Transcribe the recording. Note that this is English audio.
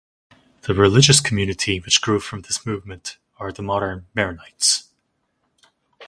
The religious community which grew from this movement are the modern Maronites.